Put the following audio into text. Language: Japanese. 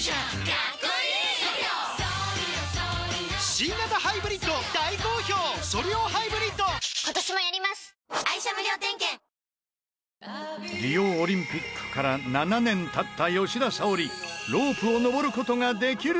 新しくなったリオオリンピックから７年経った吉田沙保里。